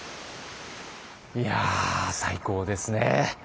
いや最高ですね。